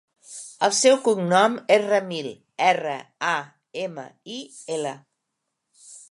El seu cognom és Ramil: erra, a, ema, i, ela.